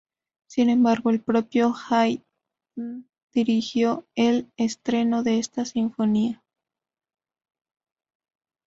Sin embargo, el propio Haydn dirigió el estreno de esta sinfonía.